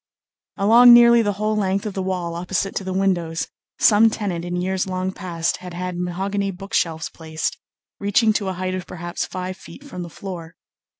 Along nearly the whole length of the wall opposite to the windows, some tenant in years long past had had mahogany book shelves placed, reaching to a height of perhaps five feet from the floor.